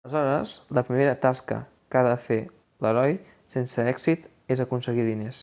Aleshores, la primera tasca que ha de fer l'heroi sense èxit és aconseguir diners.